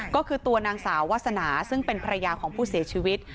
ก็คือตัวนางสาววาสนาซึ่งเป็นภรรยาของผู้เสียชีวิต